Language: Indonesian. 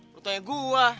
lu tanya gua